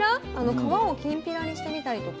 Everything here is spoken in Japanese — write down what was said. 皮をきんぴらにしてみたりとか。